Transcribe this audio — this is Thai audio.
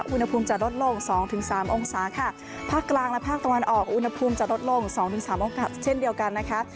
อุณหภูมิจะลดลงสองถึงสามองศาค่ะภาคกลางและภาคตะวันออกอุณหภูมิจะลดลงสองถึงสามองศาเช่นเดียวกันนะคะ